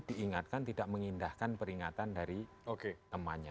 diingatkan tidak mengindahkan peringatan dari temannya